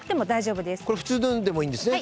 これは普通のでもいいんですね。